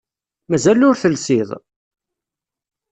Mazal ur telsiḍ?